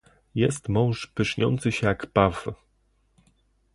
"Jest mąż pyszniący się jak paw."